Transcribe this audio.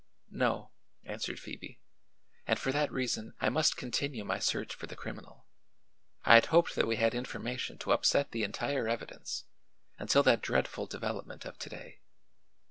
"No," answered Phoebe, "and for that reason I must continue my search for the criminal. I had hoped that we had information to upset the entire evidence, until that dreadful development of to day.